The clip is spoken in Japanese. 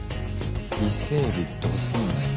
伊勢エビどうすんの？